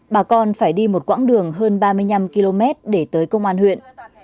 bà con phải đi một quãng đường hơn ba mươi năm km để tới công an huyện